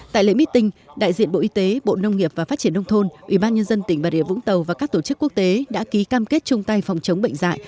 tại lễ meeting đại diện bộ y tế bộ nông nghiệp và phát triển nông thôn ubnd tỉnh bà rịa vũng tàu và các tổ chức quốc tế đã ký cam kết chung tay phòng chống bệnh dạy